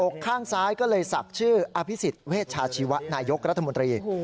อกข้างซ้ายก็เลยศักดิ์ชื่ออภิษฎเวชาชีวะนายกรัฐมนตรี